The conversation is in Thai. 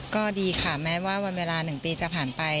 ก็ดีค่ะแม้ว่าวันเวลา๑ปีจะผ่านไป